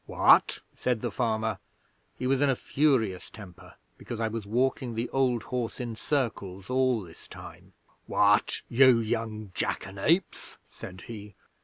"What?" said the farmer he was in a furious temper because I was walking the old horse in circles all this time "What, you young jackanapes?" said he.